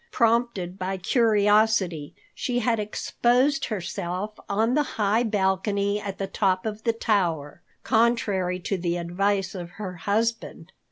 Prompted by curiosity, she had exposed herself on the high balcony at the top of the tower, contrary to the advice of her husband.